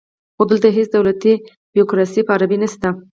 خو دلته هیڅ دولتي بیروکراسي په عربي نشته دی